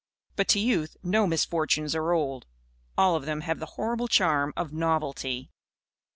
But to youth no misfortunes are old. All of them have the horrible charm of novelty.